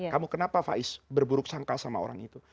kamu kenapa faiz berburuk sangka sama orang itu